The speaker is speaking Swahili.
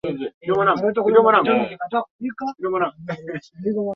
aa kura ya maoni ipige hawakuta a